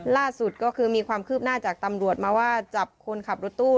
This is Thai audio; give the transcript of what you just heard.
ล่าสุดก็คือมีความคืบหน้าจากตำรวจมาว่าจับคนขับรถตู้